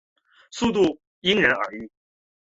进展速度因人而异。